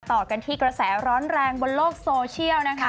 ต่อกันที่กระแสร้อนแรงบนโลกโซเชียลนะคะ